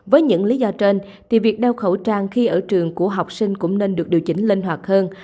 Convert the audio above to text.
với những lý do trên thì việc đeo khẩu trang khi ở trường của học sinh cũng nên được điều chỉnh linh hoạt hơn